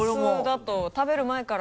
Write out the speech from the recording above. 食べる前から。